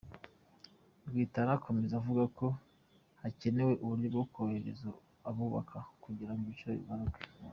Rwitare akomeza avuga ko hakenewe uburyo bwo korohereza abubaka, kugira ngo ibiciro bimanuke.